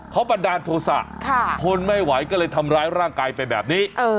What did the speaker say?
เขาประดานโทษะค่ะคนไม่ไหวก็เลยทำร้ายร่างกายไปแบบนี้เออ